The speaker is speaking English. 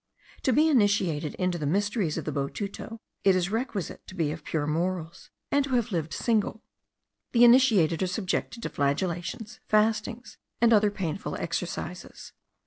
To be initiated into the mysteries of the botuto, it is requisite to be of pure morals, and to have lived single. The initiated are subjected to flagellations, fastings, and other painful exercises.